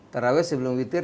terawih sebelum witir